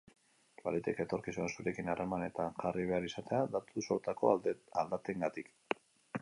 Baliteke etorkizunean zurekin harremanetan jarri behar izatea datu-sortako aldaketengatik.